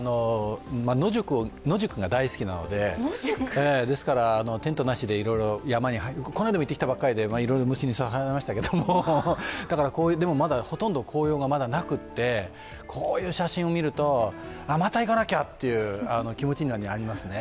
僕は野宿が大好きなので、テントなしで山に、この間も行ってきたばかりで虫に刺されましたけれども、でもまだほとんど紅葉がなくてこういう写真を見ると、また行かなきゃっていう気持ちにはなりますね。